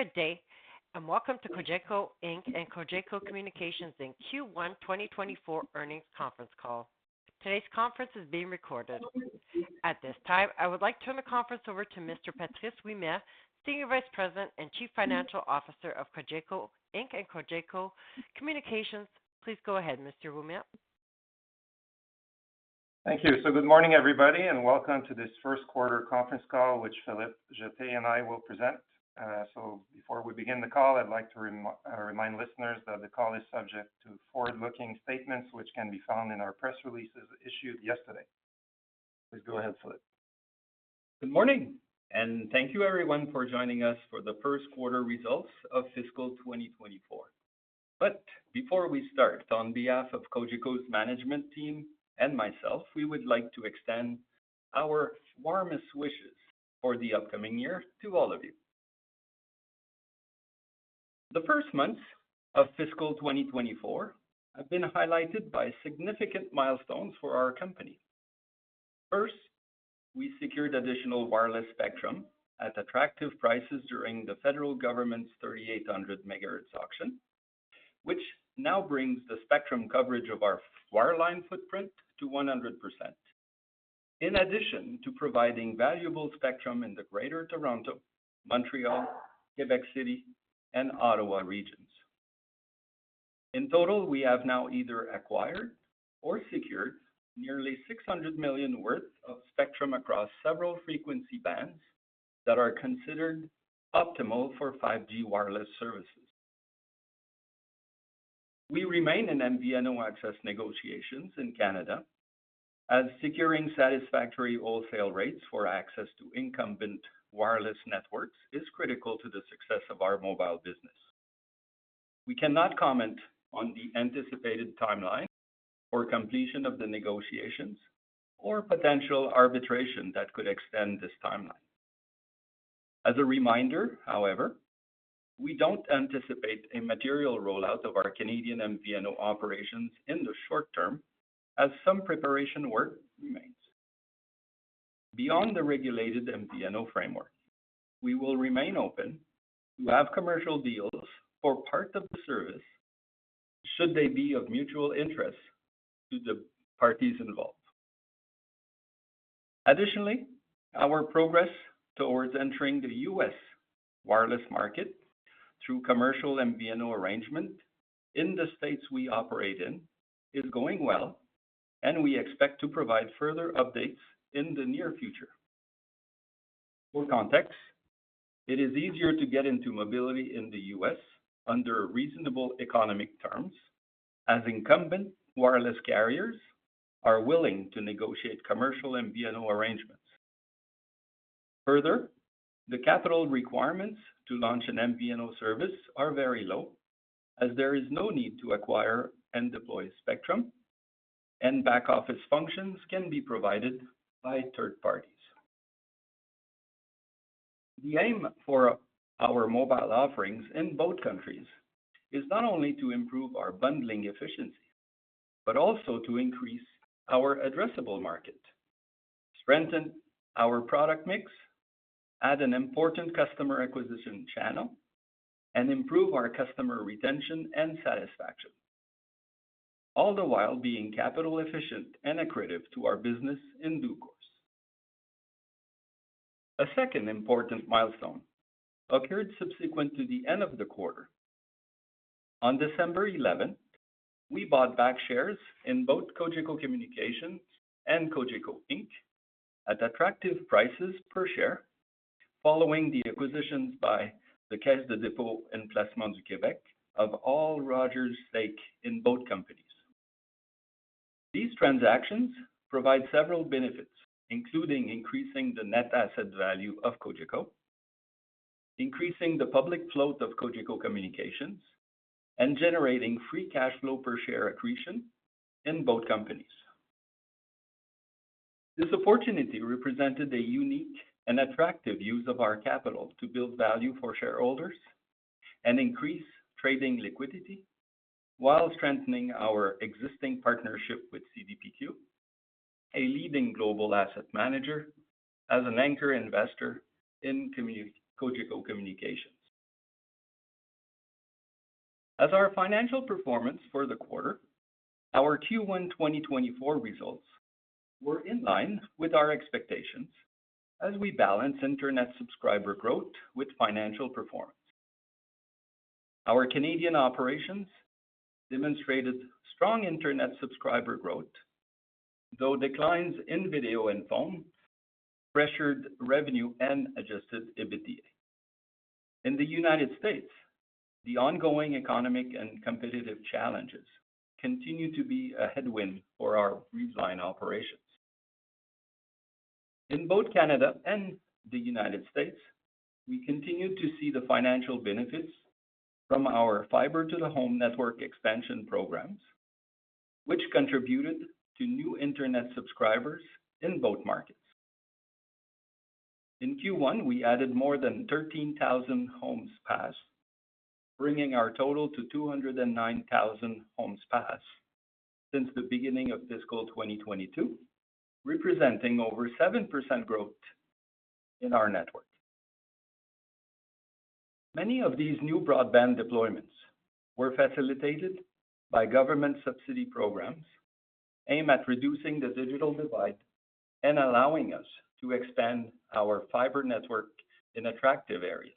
Good day, and welcome to Cogeco Inc. and Cogeco Communications in Q1 2024 earnings conference call. Today's conference is being recorded. At this time, I would like to turn the conference over to Mr. Patrice Ouimet, Senior Vice President and Chief Financial Officer of Cogeco Inc. and Cogeco Communications. Please go ahead, Mr. Ouimet. Thank you. So good morning, everybody, and welcome to this first quarter conference call, which Philippe Jetté and I will present. So before we begin the call, I'd like to remind listeners that the call is subject to forward-looking statements, which can be found in our press releases issued yesterday. Please go ahead, Philippe. Good morning, and thank you, everyone, for joining us for the first quarter results of fiscal 2024. But before we start, on behalf of Cogeco's management team and myself, we would like to extend our warmest wishes for the upcoming year to all of you. The first months of fiscal 2024 have been highlighted by significant milestones for our company. First, we secured additional wireless spectrum at attractive prices during the federal government's 3800 MHz auction, which now brings the spectrum coverage of our wireline footprint to 100%. In addition to providing valuable spectrum in the Greater Toronto, Montreal, Quebec City, and Ottawa regions. In total, we have now either acquired or secured nearly 600 million worth of spectrum across several frequency bands that are considered optimal for 5G wireless services. We remain in MVNO access negotiations in Canada, as securing satisfactory wholesale rates for access to incumbent wireless networks is critical to the success of our mobile business. We cannot comment on the anticipated timeline or completion of the negotiations or potential arbitration that could extend this timeline. As a reminder, however, we don't anticipate a material rollout of our Canadian MVNO operations in the short term, as some preparation work remains. Beyond the regulated MVNO framework, we will remain open to have commercial deals for parts of the service, should they be of mutual interest to the parties involved. Additionally, our progress towards entering the U.S. wireless market through commercial MVNO arrangement in the states we operate in, is going well, and we expect to provide further updates in the near future. For context, it is easier to get into mobility in the U.S. under reasonable economic terms, as incumbent wireless carriers are willing to negotiate commercial MVNO arrangements. Further, the capital requirements to launch an MVNO service are very low, as there is no need to acquire and deploy spectrum, and back-office functions can be provided by third parties. The aim for our mobile offerings in both countries is not only to improve our bundling efficiency, but also to increase our addressable market, strengthen our product mix, add an important customer acquisition channel, and improve our customer retention and satisfaction, all the while being capital efficient and accretive to our business in due course. A second important milestone occurred subsequent to the end of the quarter. On December eleventh, we bought back shares in both Cogeco Communications and Cogeco Inc. at attractive prices per share, following the acquisitions by the Caisse de dépôt et placement du Québec of all Rogers stake in both companies. These transactions provide several benefits, including increasing the net asset value of Cogeco, increasing the public float of Cogeco Communications, and generating free cash flow per share accretion in both companies. This opportunity represented a unique and attractive use of our capital to build value for shareholders and increase trading liquidity, while strengthening our existing partnership with CDPQ, a leading global asset manager as an anchor investor in communi-- Cogeco Communications. As our financial performance for the quarter, our Q1 2024 results were in line with our expectations as we balance internet subscriber growth with financial performance. Our Canadian operations demonstrated strong internet subscriber growth, though declines in video and phone pressured revenue and adjusted EBITDA. In the United States, the ongoing economic and competitive challenges continue to be a headwind for our retail line operations. In both Canada and the United States, we continue to see the financial benefits from our fiber to the home network expansion programs, which contributed to new internet subscribers in both markets. In Q1, we added more than 13,000 homes passed, bringing our total to 209,000 homes passed since the beginning of fiscal 2022, representing over 7% growth in our network. Many of these new broadband deployments were facilitated by government subsidy programs, aimed at reducing the digital divide and allowing us to expand our fiber network in attractive areas.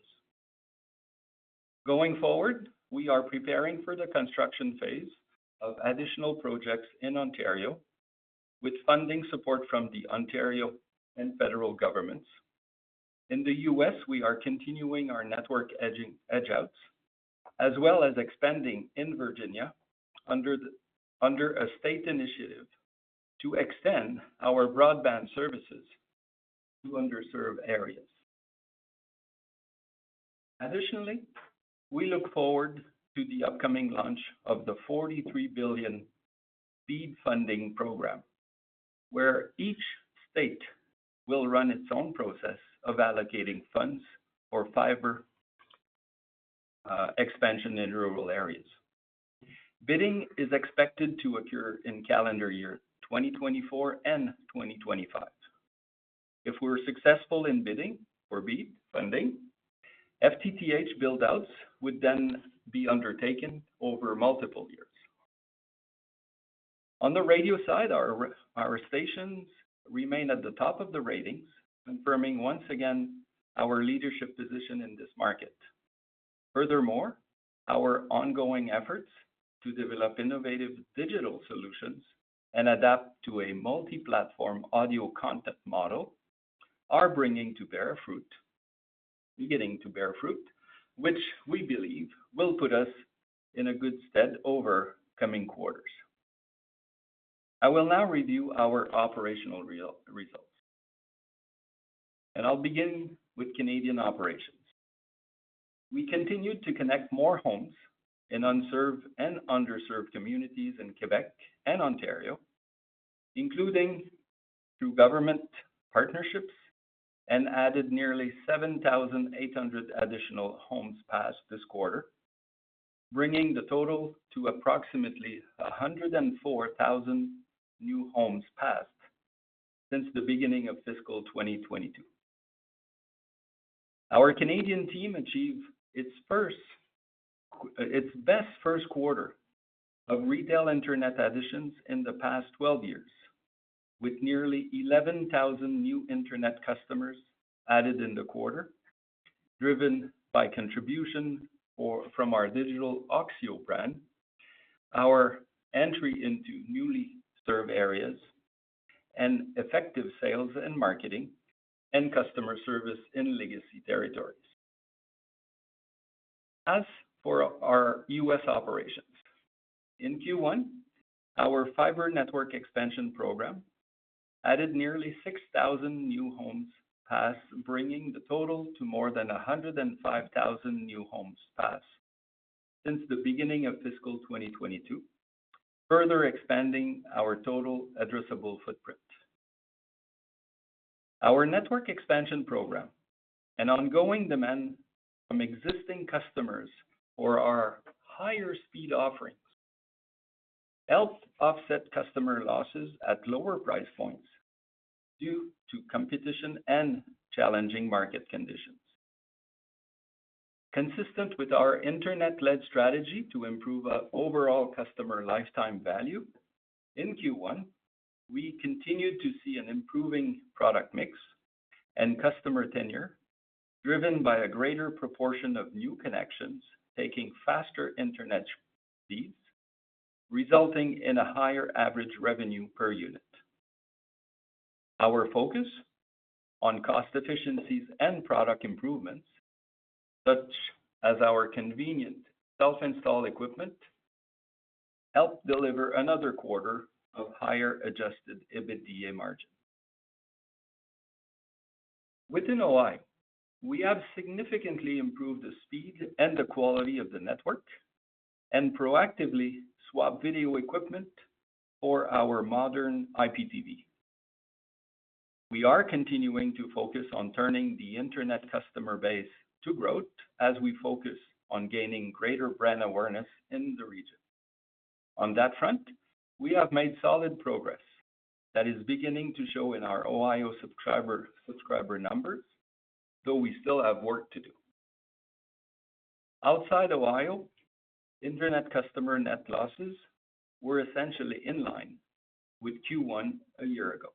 Going forward, we are preparing for the construction phase of additional projects in Ontario, with funding support from the Ontario and federal governments. In the US, we are continuing our network edge outs, as well as expanding in Virginia under a state initiative to extend our broadband services to underserved areas. Additionally, we look forward to the upcoming launch of the $43 billion BEAD funding program, where each state will run its own process of allocating funds for fiber expansion in rural areas. Bidding is expected to occur in calendar year 2024 and 2025. If we're successful in bidding for BEAD funding, FTTH build-outs would then be undertaken over multiple years. On the radio side, our stations remain at the top of the ratings, confirming once again our leadership position in this market. Furthermore, our ongoing efforts to develop innovative digital solutions and adapt to a multi-platform audio content model are beginning to bear fruit, which we believe will put us in a good stead over coming quarters. I will now review our operational results, and I'll begin with Canadian operations. We continued to connect more homes in unserved and underserved communities in Quebec and Ontario, including through government partnerships, and added nearly 7,800 additional homes passed this quarter, bringing the total to approximately 104,000 new homes passed since the beginning of fiscal 2022. Our Canadian team achieved its first, its best first quarter of retail internet additions in the past 12 years, with nearly 11,000 new internet customers added in the quarter, driven by contribution or from our digital oxio brand, our entry into newly served areas, and effective sales and marketing, and customer service in legacy territories. As for our U.S. operations, in Q1, our fiber network expansion program added nearly 6,000 new homes passed, bringing the total to more than 105,000 new homes passed since the beginning of fiscal 2022, further expanding our total addressable footprint. Our network expansion program and ongoing demand from existing customers for our higher-speed offerings, helped offset customer losses at lower price points due to competition and challenging market conditions. Consistent with our internet-led strategy to improve overall customer lifetime value, in Q1, we continued to see an improving product mix and customer tenure, driven by a greater proportion of new connections taking faster internet speeds, resulting in a higher average revenue per unit. Our focus on cost efficiencies and product improvements, such as our convenient self-install equipment, helped deliver another quarter of higher adjusted EBITDA margin. Within Ohio, we have significantly improved the speed and the quality of the network, and proactively swapped video equipment for our modern IPTV. We are continuing to focus on turning the internet customer base to growth as we focus on gaining greater brand awareness in the region. On that front, we have made solid progress that is beginning to show in our Ohio subscriber numbers, though we still have work to do. Outside Ohio, internet customer net losses were essentially in line with Q1 a year ago.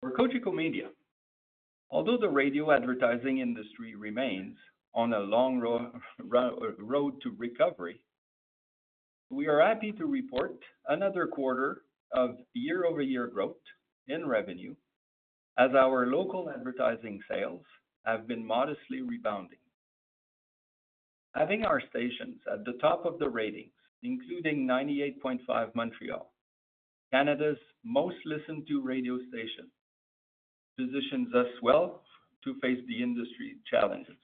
For Cogeco Media, although the radio advertising industry remains on a long road to recovery, we are happy to report another quarter of year-over-year growth in revenue, as our local advertising sales have been modestly rebounding. Having our stations at the top of the ratings, including 98.5 Montreal, Canada's most listened to radio station, positions us well to face the industry challenges.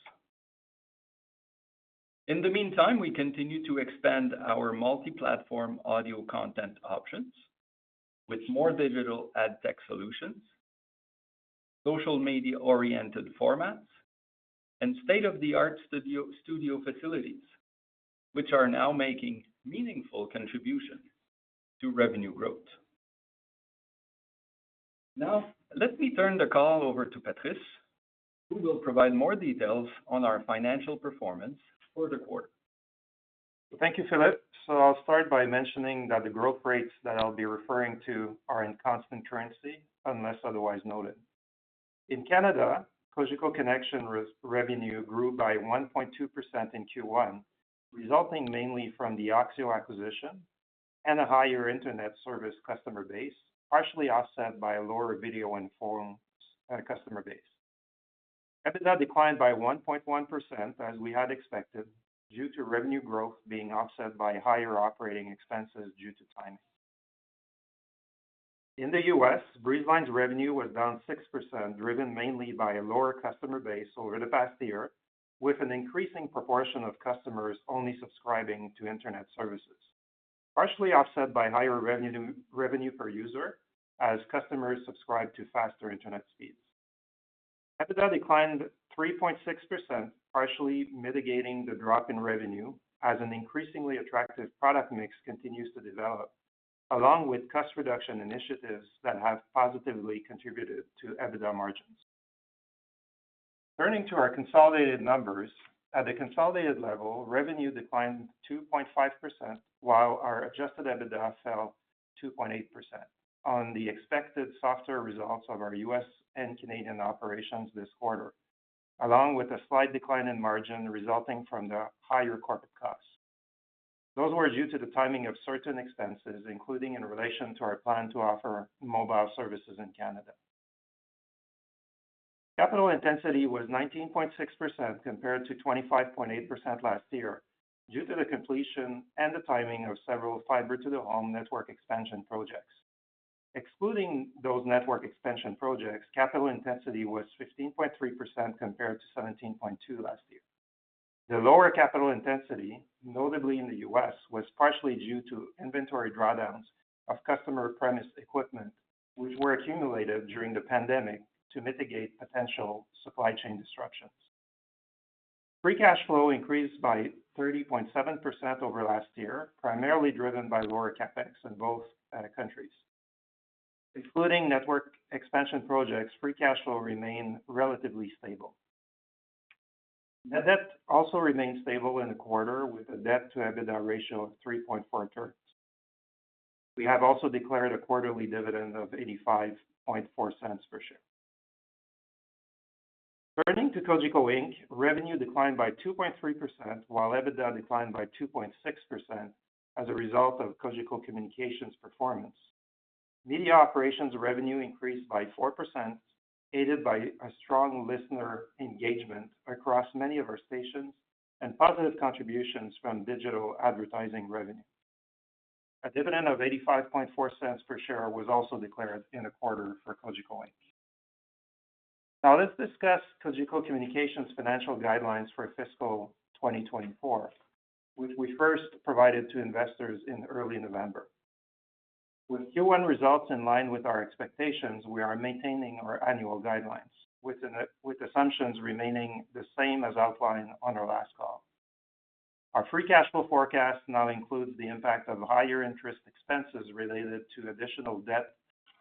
In the meantime, we continue to expand our multi-platform audio content options with more digital ad tech solutions... social media-oriented formats, and state-of-the-art studio facilities, which are now making meaningful contribution to revenue growth. Now, let me turn the call over to Patrice, who will provide more details on our financial performance for the quarter. Thank you, Philippe. So I'll start by mentioning that the growth rates that I'll be referring to are in constant currency, unless otherwise noted. In Canada, Cogeco Connexion revenue grew by 1.2% in Q1, resulting mainly from the oxio acquisition and a higher internet service customer base, partially offset by a lower video and phone customer base. EBITDA declined by 1.1%, as we had expected, due to revenue growth being offset by higher operating expenses due to timing. In the US, Breezeline's revenue was down 6%, driven mainly by a lower customer base over the past year, with an increasing proportion of customers only subscribing to internet services. Partially offset by higher revenue per user, as customers subscribe to faster internet speeds. EBITDA declined 3.6%, partially mitigating the drop in revenue as an increasingly attractive product mix continues to develop, along with cost reduction initiatives that have positively contributed to EBITDA margins. Turning to our consolidated numbers, at the consolidated level, revenue declined 2.5%, while our adjusted EBITDA fell 2.8% on the expected softer results of our U.S. and Canadian operations this quarter, along with a slight decline in margin resulting from the higher corporate costs. Those were due to the timing of certain expenses, including in relation to our plan to offer mobile services in Canada. Capital intensity was 19.6%, compared to 25.8% last year, due to the completion and the timing of several fiber to the home network expansion projects. Excluding those network expansion projects, capital intensity was 15.3%, compared to 17.2% last year. The lower capital intensity, notably in the U.S., was partially due to inventory drawdowns of customer premise equipment, which were accumulated during the pandemic to mitigate potential supply chain disruptions. Free cash flow increased by 30.7% over last year, primarily driven by lower CapEx in both countries. Excluding network expansion projects, free cash flow remained relatively stable. Net debt also remained stable in the quarter, with a debt-to-EBITDA ratio of 3.4 times. We have also declared a quarterly dividend of 0.854 per share. Turning to Cogeco Inc., revenue declined by 2.3%, while EBITDA declined by 2.6% as a result of Cogeco Communications' performance. Media operations revenue increased by 4%, aided by a strong listener engagement across many of our stations and positive contributions from digital advertising revenue. A dividend of 0.854 per share was also declared in the quarter for Cogeco Inc. Now let's discuss Cogeco Communications' financial guidelines for fiscal 2024, which we first provided to investors in early November. With Q1 results in line with our expectations, we are maintaining our annual guidelines, with assumptions remaining the same as outlined on our last call. Our free cash flow forecast now includes the impact of higher interest expenses related to additional debt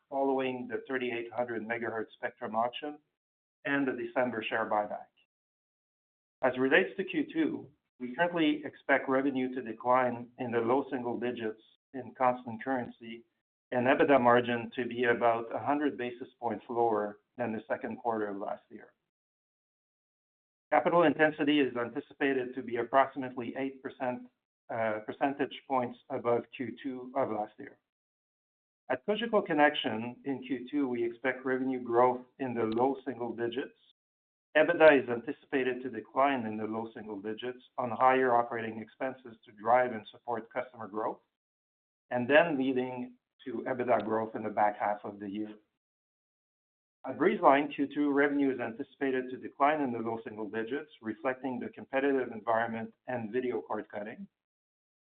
following the 3,800 MHz spectrum auction and the December share buyback. As it relates to Q2, we currently expect revenue to decline in the low single digits in constant currency and EBITDA margin to be about 100 basis points lower than the second quarter of last year. Capital intensity is anticipated to be approximately 8 percentage points above Q2 of last year. At Cogeco Connexion, in Q2, we expect revenue growth in the low single digits. EBITDA is anticipated to decline in the low single digits on higher operating expenses to drive and support customer growth, and then leading to EBITDA growth in the back half of the year. At Breezeline Q2, revenue is anticipated to decline in the low single digits, reflecting the competitive environment and video cord-cutting.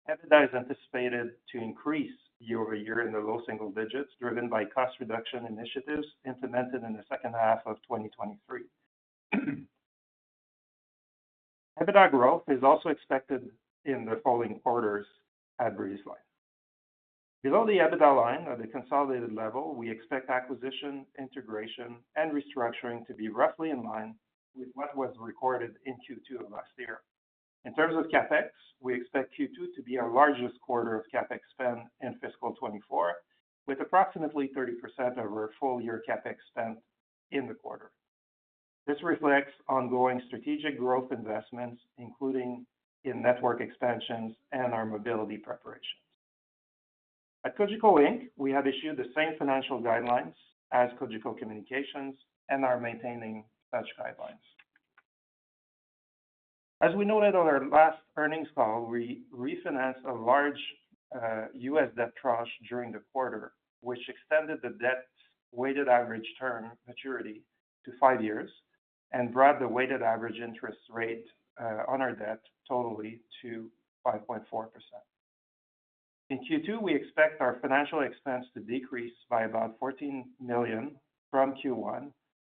EBITDA is anticipated to increase year-over-year in the low single digits, driven by cost reduction initiatives implemented in the second half of 2023. EBITDA growth is also expected in the following quarters at Breezeline. Below the EBITDA line, at the consolidated level, we expect acquisition, integration, and restructuring to be roughly in line with what was recorded in Q2 of last year. In terms of CapEx, we expect Q2 to be our largest quarter of CapEx spend in fiscal 2024, with approximately 30% of our full-year CapEx spent in the quarter. This reflects ongoing strategic growth investments, including in network expansions and our mobility preparations. At Cogeco Inc., we have issued the same financial guidelines as Cogeco Communications and are maintaining such guidelines. As we noted on our last earnings call, we refinanced a large, U.S. debt tranche during the quarter, which extended the debt's weighted average term maturity to five years and brought the weighted average interest rate, on our debt totally to 5.4%....In Q2, we expect our financial expense to decrease by about 14 million from Q1,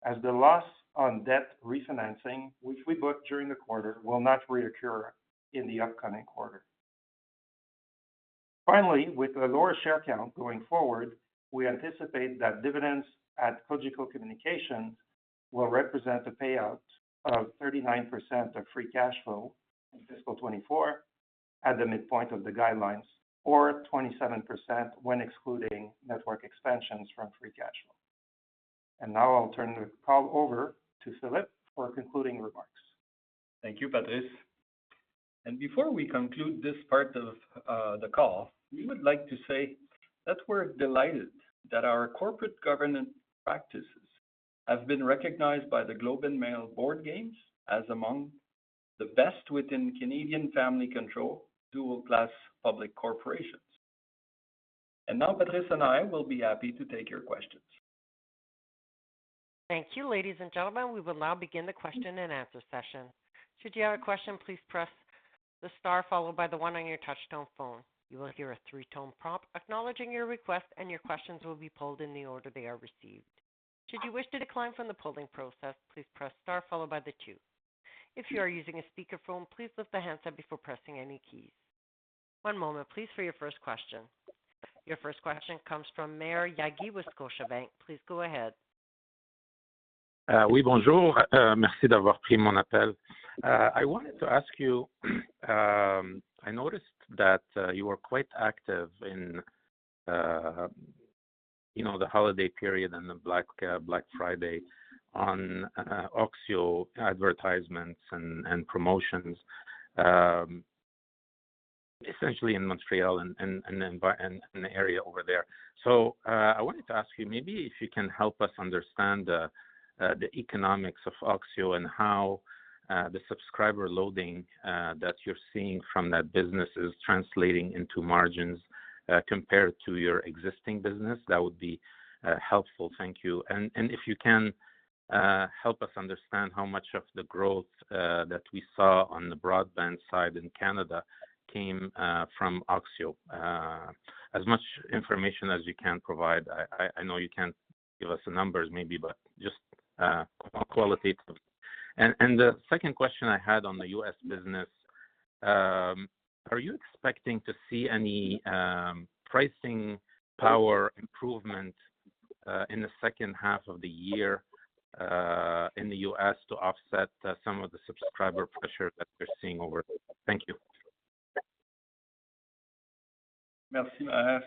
as the loss on debt refinancing, which we booked during the quarter, will not reoccur in the upcoming quarter. Finally, with a lower share count going forward, we anticipate that dividends at Cogeco Communications will represent a payout of 39% of free cash flow in fiscal 2024, at the midpoint of the guidelines, or 27% when excluding network expansions from free cash flow. And now I'll turn the call over to Philippe for concluding remarks. Thank you, Patrice. And before we conclude this part of the call, we would like to say that we're delighted that our corporate governance practices have been recognized by The Globe and Mail Board Games as among the best within Canadian family-controlled dual-class public corporations. And now, Patrice and I will be happy to take your questions. Thank you, ladies and gentlemen. We will now begin the question-and-answer session. Should you have a question, please press the star followed by the one on your touch-tone phone. You will hear a three-tone prompt acknowledging your request, and your questions will be pulled in the order they are received. Should you wish to decline from the polling process, please press star followed by the two. If you are using a speakerphone, please lift the handset before pressing any keys. One moment, please, for your first question. Your first question comes from Maher Yaghi with Scotiabank. Please go ahead. Oui, bonjour, merci d'avoir pris mon appel. I wanted to ask you. I noticed that you were quite active in, you know, the holiday period and the Black Friday on oxio advertisements and then the area over there. So, I wanted to ask you, maybe if you can help us understand the economics of oxio, and how the subscriber loading that you're seeing from that business is translating into margins compared to your existing business. That would be helpful. Thank you. And if you can help us understand how much of the growth that we saw on the broadband side in Canada came from oxio. As much information as you can provide. I know you can't give us the numbers, maybe, but just qualitative. And the second question I had on the U.S. business, are you expecting to see any pricing power improvement in the second half of the year in the U.S. to offset some of the subscriber pressure that you're seeing over there? Thank you. Merci, Maher.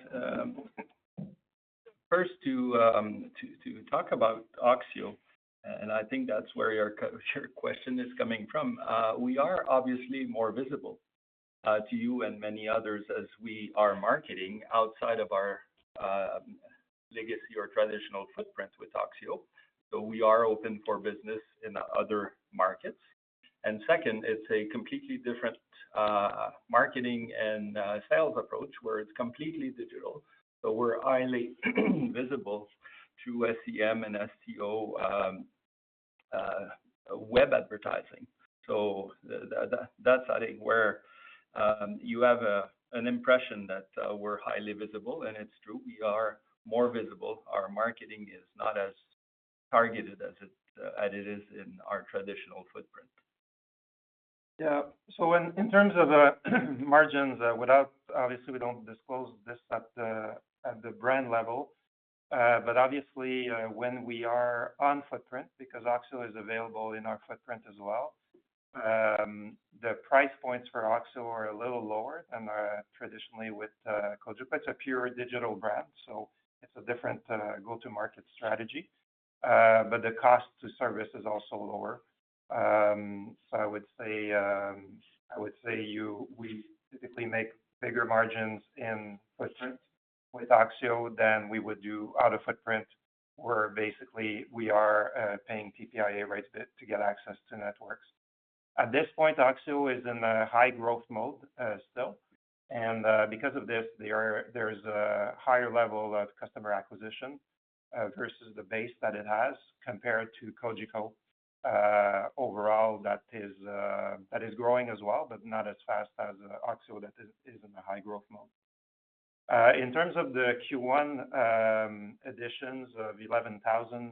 First to talk about oxio, and I think that's where your question is coming from. We are obviously more visible to you and many others as we are marketing outside of our legacy or traditional footprint with oxio. So we are open for business in the other markets. And second, it's a completely different marketing and sales approach, where it's completely digital, so we're highly visible through SEM and SEO web advertising. So that's, I think, where you have an impression that we're highly visible, and it's true, we are more visible. Our marketing is not as targeted as it is in our traditional footprint. Yeah. So, in terms of the margins, without... Obviously, we don't disclose this at the brand level. But obviously, when we are on footprint, because oxio is available in our footprint as well, the price points for oxio are a little lower than traditionally with Cogeco. It's a pure digital brand, so it's a different go-to-market strategy. But the cost to service is also lower. So I would say, I would say we typically make bigger margins in footprint with oxio than we would do out-of-footprint, where basically we are paying TPIA rates to get access to networks. At this point, oxio is in a high-growth mode, still. Because of this, there are, there is a higher level of customer acquisition versus the base that it has compared to Cogeco overall, that is, that is growing as well, but not as fast as oxio that is, is in a high-growth mode. In terms of the Q1 additions of 11,000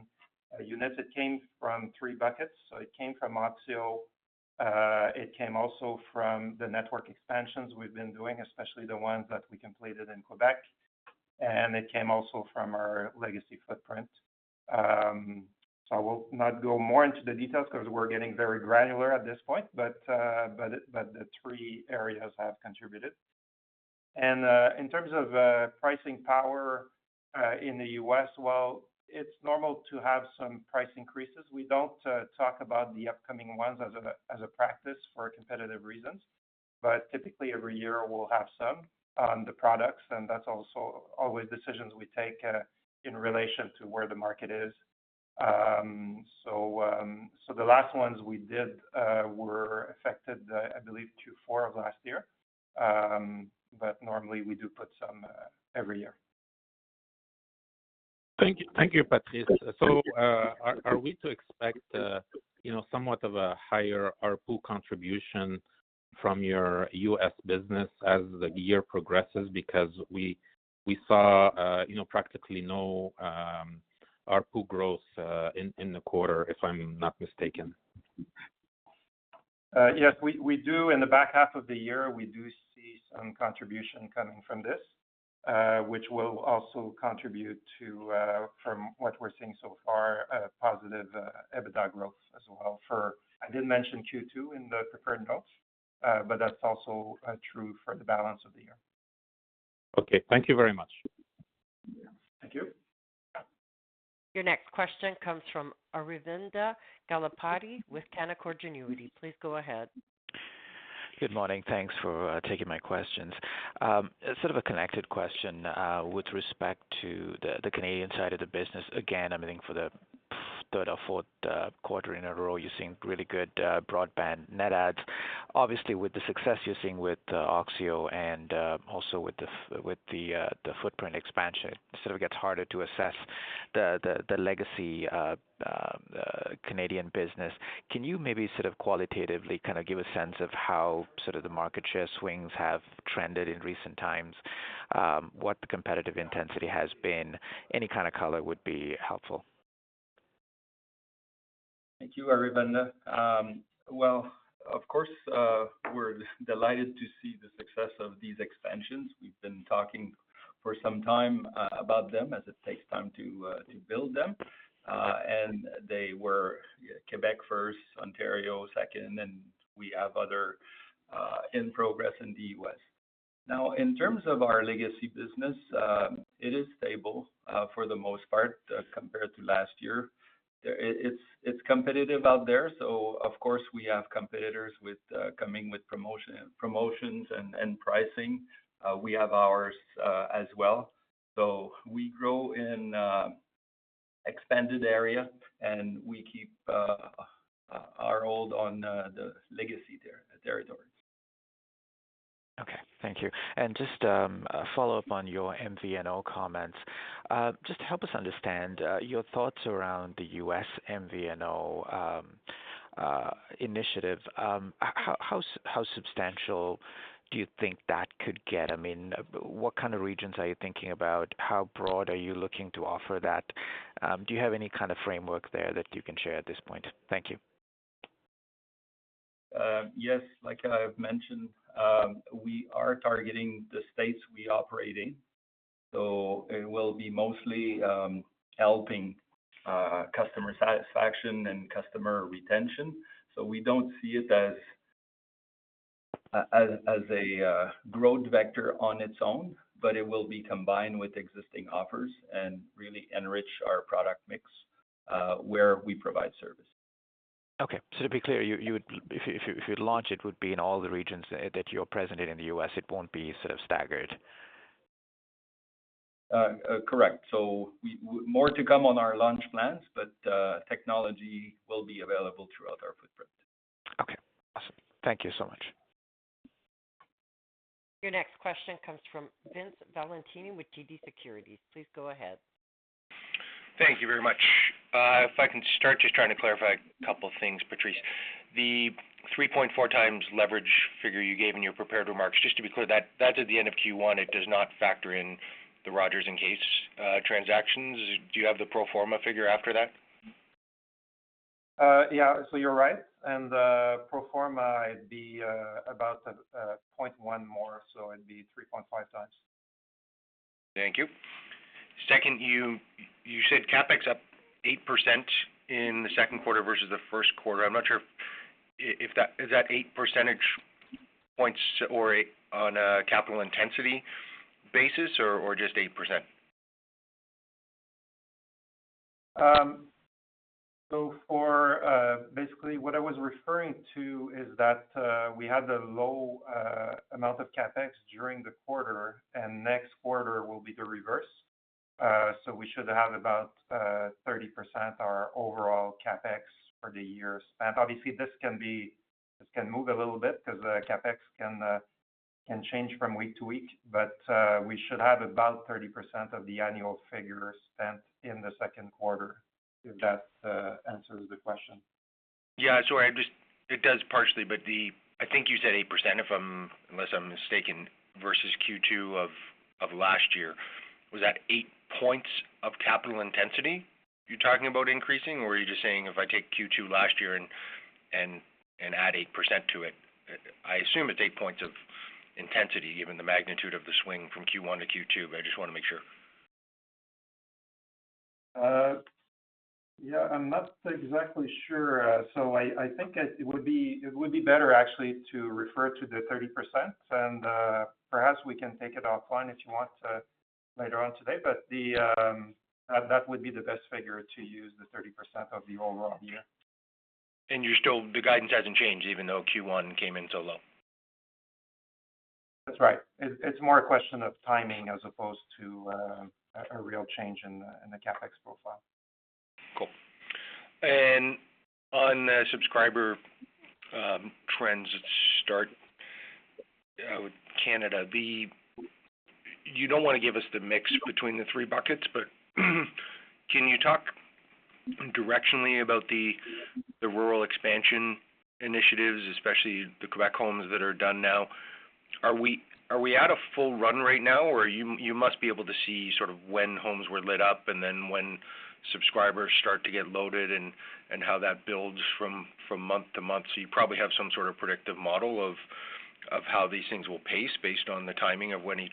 units, it came from three buckets. So it came from oxio, it came also from the network expansions we've been doing, especially the ones that we completed in Quebec, and it came also from our legacy footprint. So I will not go more into the details because we're getting very granular at this point, but the three areas have contributed. In terms of pricing power in the U.S., well, it's normal to have some price increases. We don't talk about the upcoming ones as a practice for competitive reasons, but typically, every year we'll have some on the products, and that's also always decisions we take in relation to where the market is. So the last ones we did were affected, I believe, Q4 of last year. But normally, we do put some every year.... Thank you. Thank you, Patrice. So, are we to expect, you know, somewhat of a higher ARPU contribution from your US business as the year progresses? Because we saw, you know, practically no ARPU growth in the quarter, if I'm not mistaken. Yes, we do. In the back half of the year, we do see some contribution coming from this, which will also contribute to, from what we're seeing so far, a positive EBITDA growth as well for... I didn't mention Q2 in the prepared notes, but that's also true for the balance of the year. Okay. Thank you very much. Thank you. Your next question comes from Aravinda Galappatthige with Canaccord Genuity. Please go ahead. Good morning. Thanks for taking my questions. Sort of a connected question with respect to the Canadian side of the business. Again, I mean, think for the third or fourth quarter in a row, you're seeing really good broadband net adds. Obviously, with the success you're seeing with oxio and also with the footprint expansion, sort of gets harder to assess the legacy Canadian business. Can you maybe sort of qualitatively kind of give a sense of how sort of the market share swings have trended in recent times? What the competitive intensity has been? Any kind of color would be helpful. Thank you, Aravinda. Well, of course, we're delighted to see the success of these expansions. We've been talking for some time about them, as it takes time to build them. They were Quebec first, Ontario second, and we have others in progress in the U.S. Now, in terms of our legacy business, it is stable for the most part compared to last year. It's competitive out there, so of course we have competitors coming with promotions and pricing. We have ours as well. So we grow in expanded area, and we keep our hold on the legacy territory. Okay. Thank you. And just a follow-up on your MVNO comments. Just help us understand your thoughts around the U.S. MVNO initiative. How substantial do you think that could get? I mean, what kind of regions are you thinking about? How broad are you looking to offer that? Do you have any kind of framework there that you can share at this point? Thank you. Yes, like I have mentioned, we are targeting the states we operate in, so it will be mostly helping customer satisfaction and customer retention. So we don't see it as a growth vector on its own, but it will be combined with existing offers and really enrich our product mix, where we provide service. Okay, so to be clear, you would... If you launch, it would be in all the regions that you're present in, in the U.S. It won't be sort of staggered? Correct. So more to come on our launch plans, but technology will be available throughout our footprint. Okay, awesome. Thank you so much. Your next question comes from Vince Valentini with TD Securities. Please go ahead. Thank you very much. If I can start, just trying to clarify a couple of things, Patrice. The 3.4x leverage figure you gave in your prepared remarks, just to be clear, that, that's at the end of Q1, it does not factor in the Rogers transaction. Do you have the pro forma figure after that? Yeah, so you're right, and pro forma, it'd be about 0.1 more, so it'd be 3.5 times. Thank you. Second, you said CapEx up 8% in the second quarter versus the first quarter. I'm not sure if that is that 8 percentage points or on a capital intensity basis or just 8%? So, basically, what I was referring to is that we had a low amount of CapEx during the quarter, and next quarter will be the reverse. So we should have about 30% our overall CapEx for the year spent. Obviously, this can be, this can move a little bit because CapEx can change from week to week, but we should have about 30% of the annual figure spent in the second quarter, if that answers the question. Yeah, sorry, I just... It does partially, but the, I think you said 8%, if I'm, unless I'm mistaken, versus Q2 of last year. Was that 8 points of capital intensity you're talking about increasing, or are you just saying if I take Q2 last year and add 8% to it? I assume it's 8 points of intensity, given the magnitude of the swing from Q1 to Q2, but I just want to make sure. Yeah, I'm not exactly sure. So I think it would be better actually to refer to the 30%, and perhaps we can take it offline if you want to, later on today. But that would be the best figure to use, the 30% of the overall year. You're still, the guidance hasn't changed, even though Q1 came in so low? That's right. It's more a question of timing as opposed to a real change in the CapEx profile. Cool. And on subscriber trends, Canada, you don't want to give us the mix between the three buckets, but can you talk directionally about the rural expansion initiatives, especially the Quebec homes that are done now? Are we at a full run right now, or you must be able to see sort of when homes were lit up and then when subscribers start to get loaded and how that builds from month to month. So you probably have some sort of predictive model of how these things will pace based on the timing of when each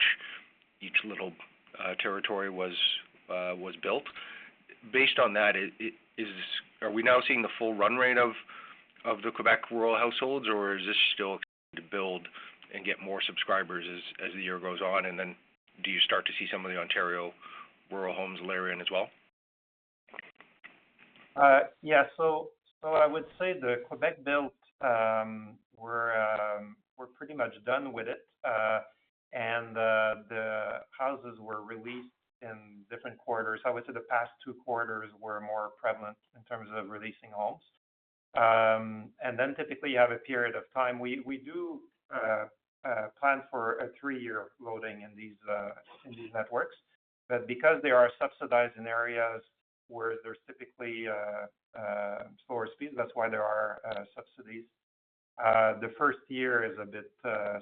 little territory was built. Based on that, is -- are we now seeing the full run rate of the Quebec rural households, or is this still to build and get more subscribers as the year goes on? And then do you start to see some of the Ontario rural homes layer in as well? Yeah. So, I would say the Quebec build, we're pretty much done with it. And the houses were released in different quarters. I would say the past two quarters were more prevalent in terms of releasing homes. And then typically, you have a period of time. We do plan for a three-year loading in these networks. But because they are subsidized in areas where there's typically slower speeds, that's why there are subsidies. The first year is a bit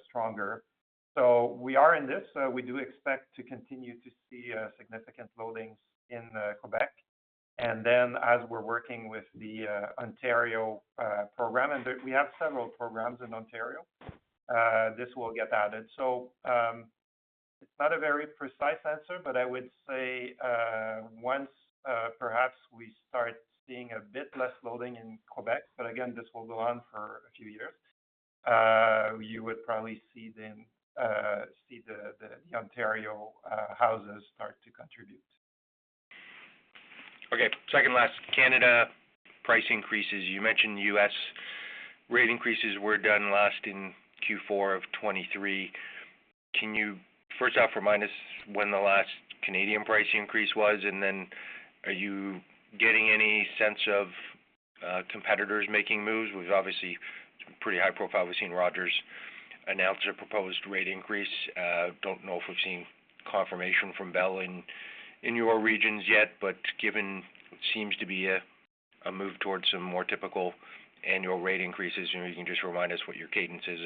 stronger. So we are in this, we do expect to continue to see significant loadings in Quebec. And then as we're working with the Ontario program, and we have several programs in Ontario, this will get added. It's not a very precise answer, but I would say, perhaps we start seeing a bit less loading in Quebec, but again, this will go on for a few years, you would probably see then see the Ontario houses start to contribute. Okay, second last. Canada price increases. You mentioned U.S. rate increases were done last in Q4 of 2023. Can you first off remind us when the last Canadian price increase was? And then, are you getting any sense of competitors making moves? Which obviously, it's pretty high profile. We've seen Rogers announce a proposed rate increase. Don't know if we've seen confirmation from Bell in your regions yet, but given seems to be a move towards some more typical annual rate increases, you know, you can just remind us what your cadence is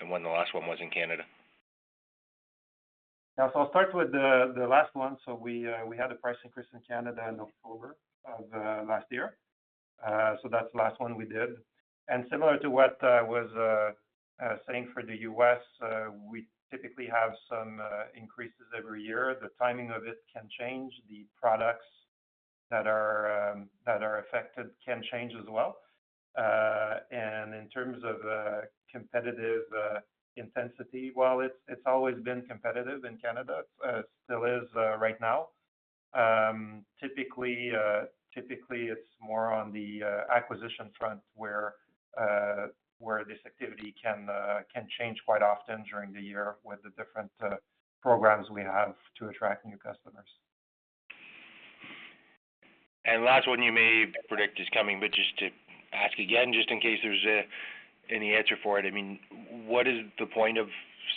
and when the last one was in Canada. Yeah. So I'll start with the last one. So we had a price increase in Canada in October of last year. So that's the last one we did. And similar to what I was saying for the U.S., we typically have some increases every year. The timing of it can change. The products that are affected can change as well. And in terms of competitive intensity, while it's always been competitive in Canada, still is right now. Typically, it's more on the acquisition front where this activity can change quite often during the year with the different programs we have to attract new customers. Last one you may predict is coming, but just to ask again, just in case there's any answer for it. I mean, what is the point of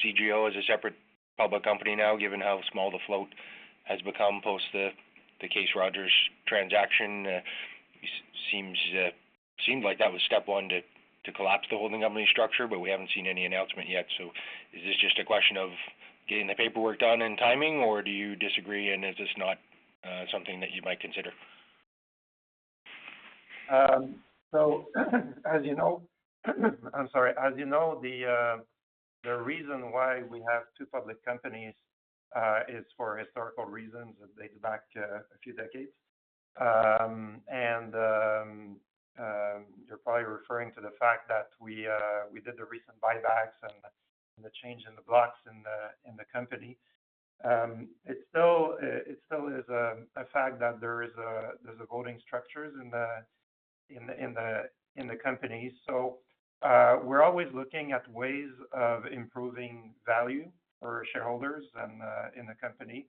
CGO as a separate public company now, given how small the float has become post the CDPQ Rogers transaction? Seems like that was step one to collapse the holding company structure, but we haven't seen any announcement yet. So is this just a question of getting the paperwork done and timing, or do you disagree, and is this not something that you might consider? So, as you know, I'm sorry. As you know, the reason why we have two public companies is for historical reasons that dates back a few decades. And you're probably referring to the fact that we did the recent buybacks and the change in the blocks in the company. It's still, it still is a fact that there is a—there's a voting structures in the company. So, we're always looking at ways of improving value for shareholders and in the company.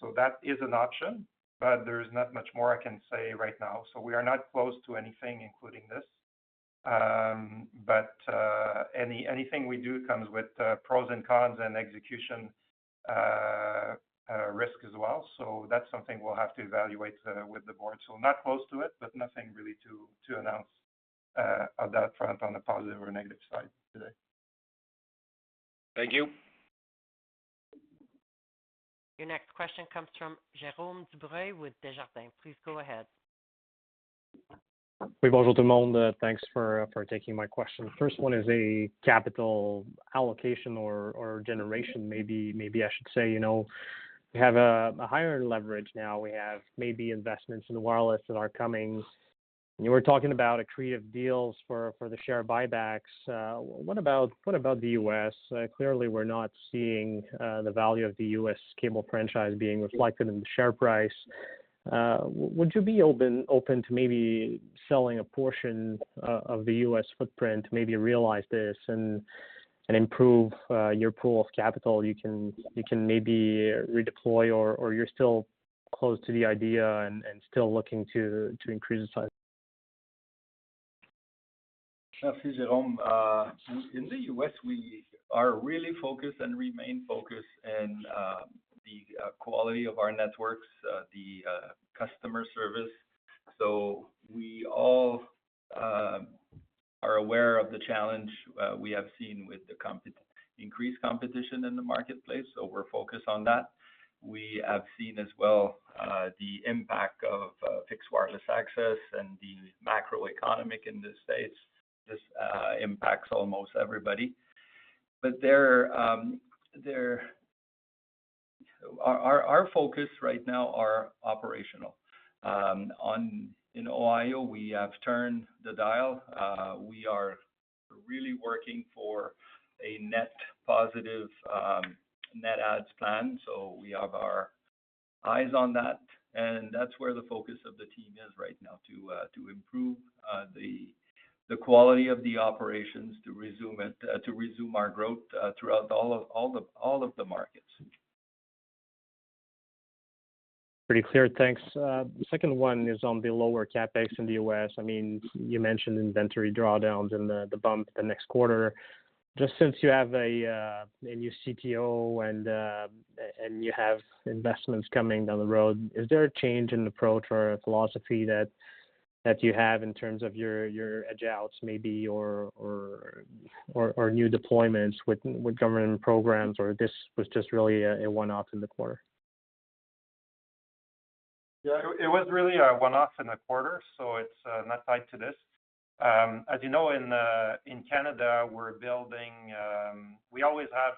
So that is an option, but there is not much more I can say right now. So we are not close to anything, including this. But anything we do comes with pros and cons and execution risk as well. So that's something we'll have to evaluate with the board. So not close to it, but nothing really to announce on that front, on the positive or negative side today. Thank you. Your next question comes from Jérome Dubreuil with Desjardins. Please go ahead. Bonjour, Jérome. Thanks for taking my question. First one is a capital allocation or generation. Maybe I should say, you know, we have a higher leverage now. We have maybe investments in wireless that are coming. You were talking about accretive deals for the share buybacks. What about the U.S.? Clearly, we're not seeing the value of the U.S. cable franchise being reflected in the share price. Would you be open to maybe selling a portion of the U.S. footprint, maybe realize this and improve your pool of capital? You can maybe redeploy or you're still close to the idea and still looking to increase the size? ... Merci, Jérome. In the U.S., we are really focused and remain focused in the quality of our networks, the customer service. So we all are aware of the challenge we have seen with the increased competition in the marketplace, so we're focused on that. We have seen as well the impact of fixed wireless access and the macroeconomic in the States. This impacts almost everybody. But our focus right now are operational. In Ohio, we have turned the dial. We are really working for a net positive net adds plan, so we have our eyes on that, and that's where the focus of the team is right now, to improve the quality of the operations, to resume our growth, throughout all of the markets. Pretty clear. Thanks. The second one is on the lower CapEx in the U.S. I mean, you mentioned inventory drawdowns and the bump the next quarter. Just since you have a new CPO and you have investments coming down the road, is there a change in approach or a philosophy that you have in terms of your edge-outs maybe or new deployments with government programs, or this was just really a one-off in the quarter? Yeah, it was really a one-off in the quarter, so it's not tied to this. As you know, in Canada, we're building. We always have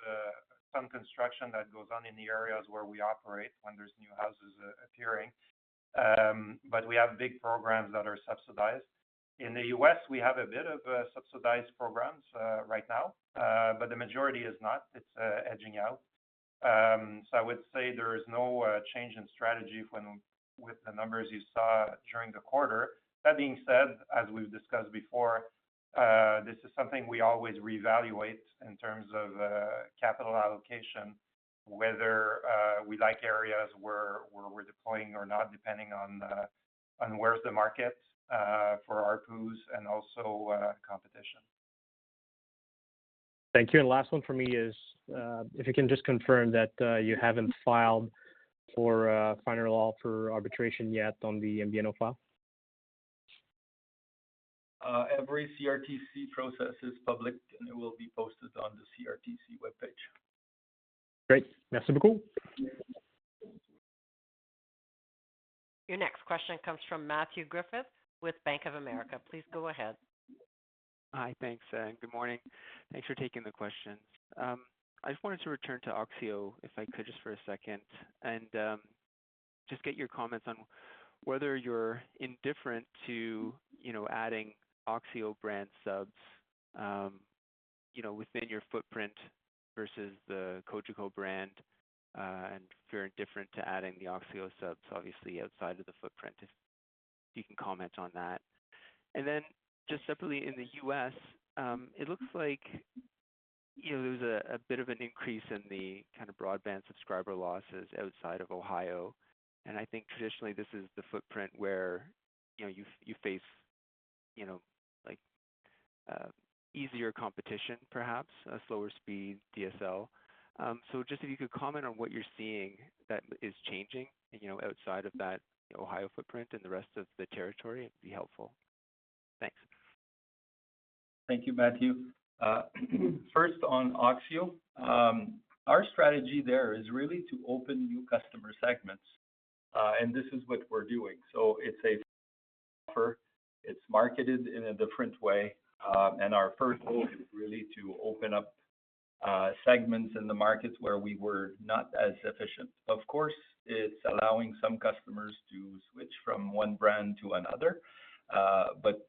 some construction that goes on in the areas where we operate when there's new houses appearing. But we have big programs that are subsidized. In the U.S., we have a bit of subsidized programs right now, but the majority is not. It's edging out. So I would say there is no change in strategy when with the numbers you saw during the quarter. That being said, as we've discussed before, this is something we always reevaluate in terms of capital allocation, whether we like areas where we're deploying or not, depending on where's the market for ARPUs and also competition. Thank you. And last one for me is, if you can just confirm that, you haven't filed for final offer arbitration yet on the MVNO file? Every CRTC process is public, and it will be posted on the CRTC webpage. Great. Merci beaucoup. Your next question comes from Matthew Griffiths with Bank of America. Please go ahead. Hi. Thanks, and good morning. Thanks for taking the questions. I just wanted to return to oxio, if I could, just for a second, and just get your comments on whether you're indifferent to, you know, adding oxio brand subs, you know, within your footprint versus the Cogeco brand, and if you're indifferent to adding the oxio subs, obviously, outside of the footprint, if you can comment on that. And then, just separately in the U.S., it looks like, you know, there's a bit of an increase in the kind of broadband subscriber losses outside of Ohio, and I think traditionally, this is the footprint where, you know, you face, you know, like, easier competition, perhaps, a slower speed DSL. So just if you could comment on what you're seeing that is changing, you know, outside of that Ohio footprint and the rest of the territory, it'd be helpful. Thanks. Thank you, Matthew. First, on oxio, our strategy there is really to open new customer segments, and this is what we're doing. So it's a offer. It's marketed in a different way, and our first goal is really to open up segments in the markets where we were not as efficient. Of course, it's allowing some customers to switch from one brand to another, but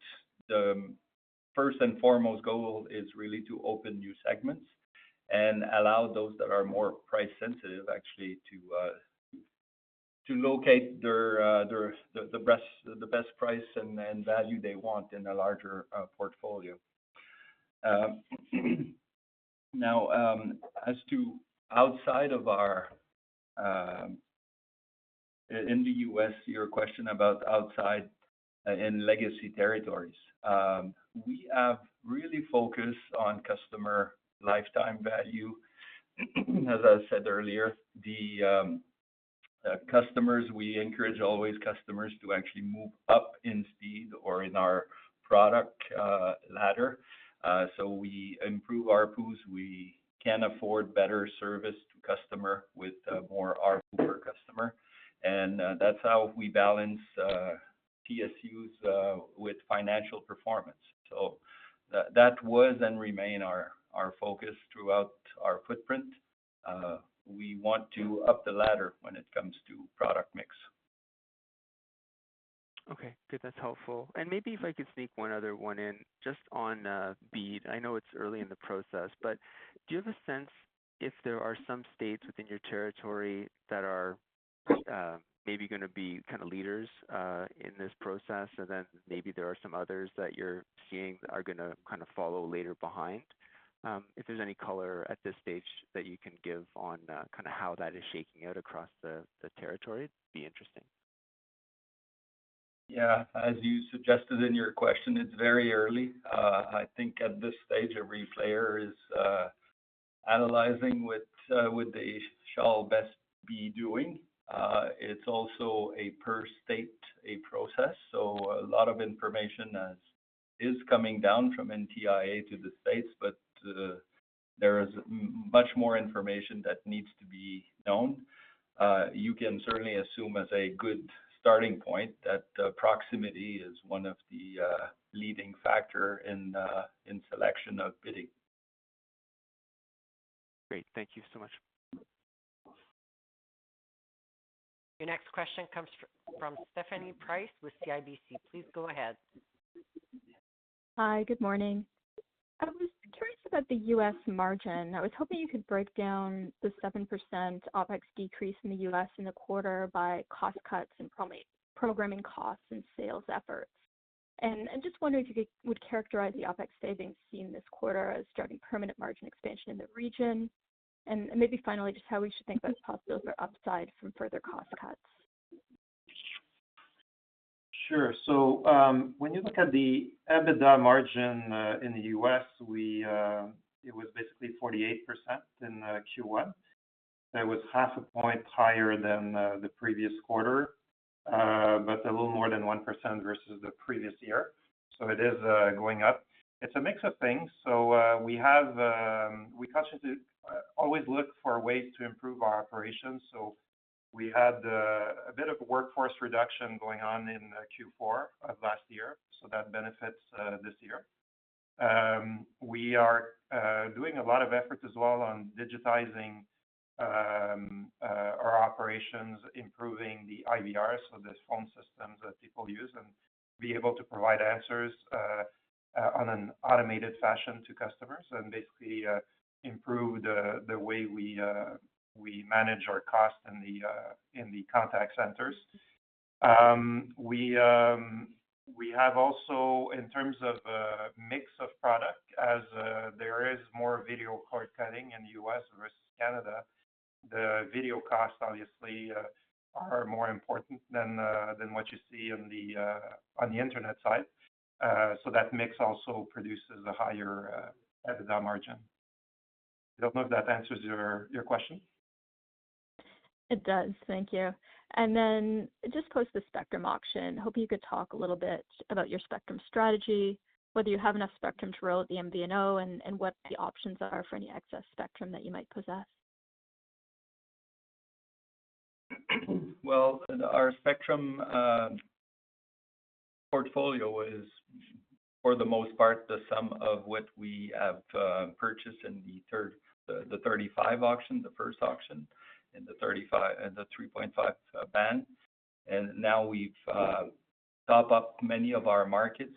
the first and foremost goal is really to open new segments and allow those that are more price-sensitive, actually, to locate their, their, the, the best, the best price and value they want in a larger portfolio. Now, as to outside of our... In the U.S., your question about outside in legacy territories, we have really focused on customer lifetime value. As I said earlier, customers, we encourage always customers to actually move up in speed or in our product ladder. So we improve ARPUs. We can afford better service to customer with more ARPU per customer, and that's how we balance PSUs with financial performance. So that, that was and remain our, our focus throughout our footprint. We want to up the ladder when it comes to product mix. Okay, good. That's helpful. And maybe if I could sneak one other one in, just on BEAD. I know it's early in the process, but do you have a sense if there are some states within your territory that are maybe gonna be kind of leaders in this process, and then maybe there are some others that you're seeing are gonna kind of follow later behind? If there's any color at this stage that you can give on kind of how that is shaking out across the territory, it'd be interesting.... Yeah, as you suggested in your question, it's very early. I think at this stage, every player is analyzing what, what they shall best be doing. It's also a per-state process, so a lot of information is coming down from NTIA to the states, but there is much more information that needs to be known. You can certainly assume as a good starting point that proximity is one of the leading factors in the selection of bidding. Great. Thank you so much. Your next question comes from Stephanie Price with CIBC. Please go ahead. Hi, good morning. I was curious about the U.S. margin. I was hoping you could break down the 7% OpEx decrease in the U.S. in the quarter by cost cuts and programming costs and sales efforts. And just wondering if you would characterize the OpEx savings seen this quarter as starting permanent margin expansion in the region? And maybe finally, just how we should think about potentials or upside from further cost cuts. Sure. So, when you look at the EBITDA margin in the U.S. It was basically 48% in Q1. It was 0.5 point higher than the previous quarter, but a little more than 1% versus the previous year. So it is going up. It's a mix of things. So we constantly always look for ways to improve our operations. So we had a bit of a workforce reduction going on in Q4 of last year, so that benefits this year. We are doing a lot of efforts as well on digitizing our operations, improving the IVR, so those phone systems that people use, and be able to provide answers on an automated fashion to customers and basically improve the way we manage our costs in the contact centers. We have also, in terms of mix of product, as there is more video cord-cutting in the U.S. versus Canada, the video costs obviously are more important than what you see on the internet side. So that mix also produces a higher EBITDA margin. I don't know if that answers your question. It does. Thank you. And then just post the spectrum auction, I hope you could talk a little bit about your spectrum strategy, whether you have enough spectrum to roll out the MVNO, and what the options are for any excess spectrum that you might possess. Well, our spectrum portfolio is, for the most part, the sum of what we have purchased in the 35 auction, the first auction in the 35, in the 3.5 band. And now we've top up many of our markets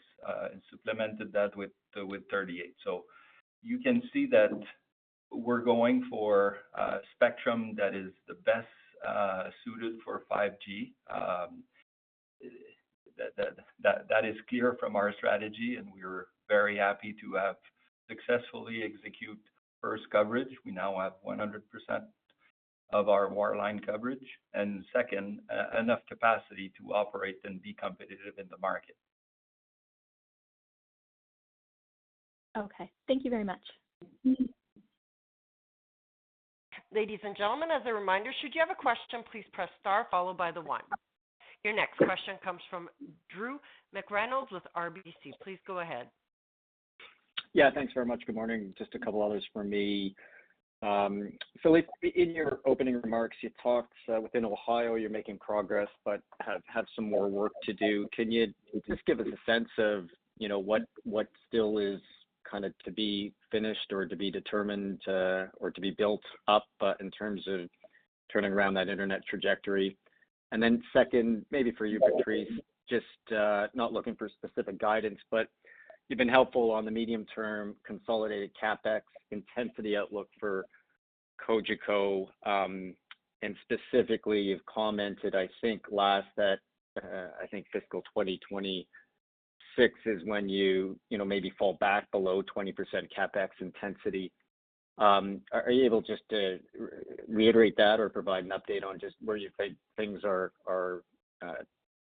and supplemented that with 38. So you can see that we're going for spectrum that is the best suited for 5G. That is clear from our strategy, and we're very happy to have successfully execute first coverage. We now have 100% of our wireline coverage, and second, enough capacity to operate and be competitive in the market. Okay, thank you very much. Mm-hmm. Ladies and gentlemen, as a reminder, should you have a question, please press star followed by the one. Your next question comes from Drew McReynolds with RBC. Please go ahead. Yeah, thanks very much. Good morning. Just a couple others from me. So in your opening remarks, you talked within Ohio, you're making progress but have some more work to do. Can you just give us a sense of, you know, what still is kind of to be finished or to be determined, or to be built up, in terms of turning around that internet trajectory? And then second, maybe for you, Patrice, just not looking for specific guidance, but you've been helpful on the medium-term consolidated CapEx intensity outlook for Cogeco. And specifically, you've commented, I think, last that, I think fiscal 2026 is when you, you know, maybe fall back below 20% CapEx intensity. Are you able just to reiterate that or provide an update on just where you think things are,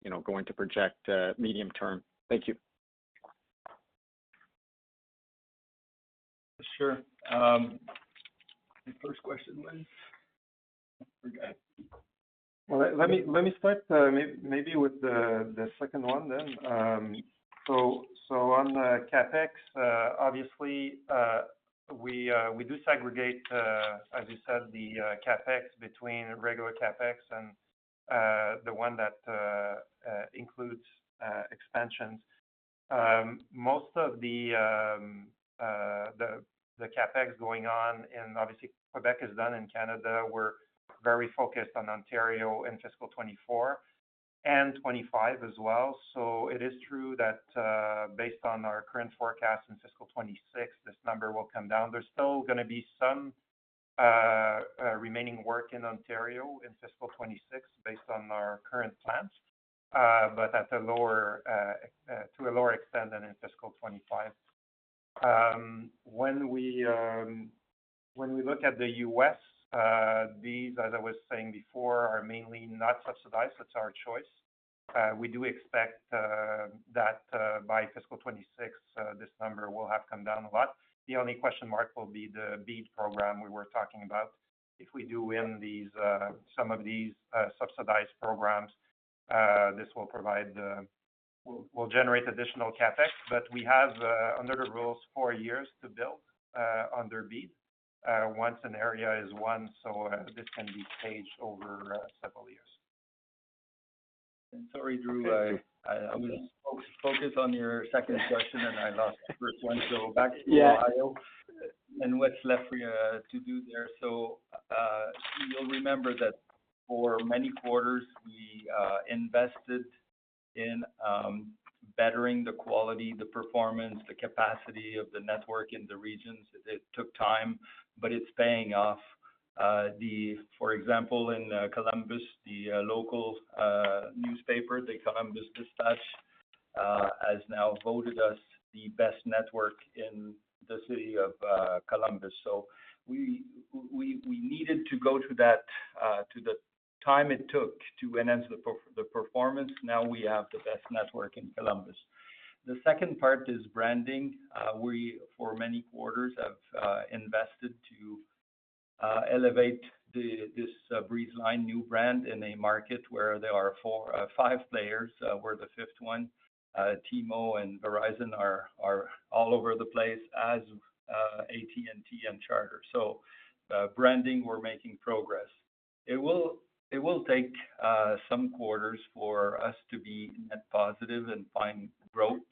you know, going to project medium term? Thank you. Sure. The first question was? I forgot. Well, let me start, maybe with the second one then. So, on the CapEx, obviously, we do segregate, as you said, the CapEx between regular CapEx and the one that includes expansions. Most of the CapEx going on in, obviously, Quebec is done in Canada. We're very focused on Ontario in fiscal 2024 and 2025 as well. So it is true that, based on our current forecast in fiscal 2026, this number will come down. There's still gonna be some remaining work in Ontario in fiscal 2026, based on our current plans, but at a lower to a lower extent than in fiscal 2025. ...When we look at the U.S., as I was saying before, these are mainly not subsidized. That's our choice. We do expect that by fiscal 2026, this number will have come down a lot. The only question mark will be the BEAD program we were talking about. If we do win some of these subsidized programs, this will generate additional CapEx. But we have under the rules, four years to build under BEAD once an area is won, so this can be staged over several years. Sorry, Drew, I was focused on your second question, and I lost the first one. So back to- Yeah Ohio, and what's left for you to do there. So, you'll remember that for many quarters, we invested in bettering the quality, the performance, the capacity of the network in the regions. It took time, but it's paying off. For example, in Columbus, the local newspaper, The Columbus Dispatch, has now voted us the best network in the city of Columbus. So we needed to go to that, to the time it took to enhance the performance. Now we have the best network in Columbus. The second part is branding. We, for many quarters, have invested to elevate this Breezeline new brand in a market where there are four, five players. We're the fifth one. T-Mo and Verizon are all over the place, as AT&T and Charter. So, branding, we're making progress. It will take some quarters for us to be net positive and find growth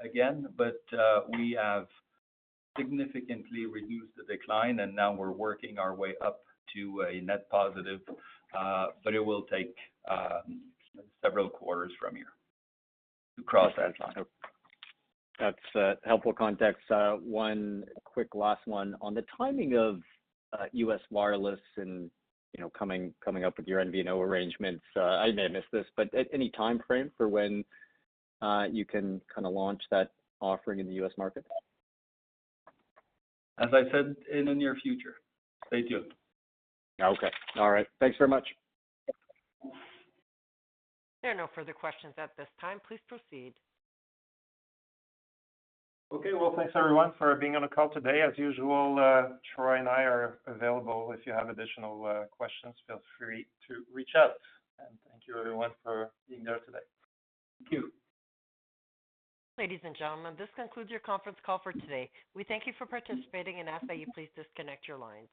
again, but we have significantly reduced the decline, and now we're working our way up to a net positive. But it will take several quarters from here to cross that line. That's helpful context. One quick last one. On the timing of U.S. Wireless and, you know, coming, coming up with your MVNO arrangements, I may have missed this, but any timeframe for when you can kind of launch that offering in the U.S. market? As I said, in the near future. Thank you. Okay. All right. Thanks very much. There are no further questions at this time. Please proceed. Okay, well, thanks, everyone, for being on the call today. As usual, Troy and I are available if you have additional questions, feel free to reach out. And thank you, everyone, for being there today. Thank you. Ladies and gentlemen, this concludes your conference call for today. We thank you for participating and ask that you please disconnect your lines.